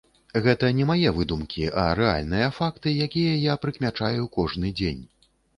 Гэта не мае выдумкі, а рэальныя факты, якія я прыкмячаю кожны дзень.